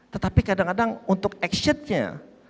tetapi kadang kadang untuk action nya